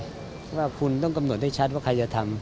เพราะว่าคุณต้องกำหนดให้ชัดว่าใครจะทำ